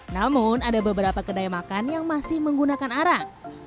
namun ada beberapa kedai makan yang masih menggunakan arang